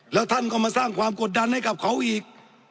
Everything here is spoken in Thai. แล้วท่านก็มาสร้างความกดดันให้กับเขาอีก